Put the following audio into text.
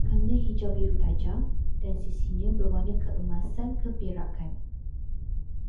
Belakangnya hijau-biru tajam, dan sisinya berwarna keemasan-keperakan